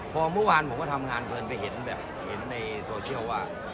พอเมื่อวานผมก็ทำงานเมือนไปเห็นในโทชีลว่า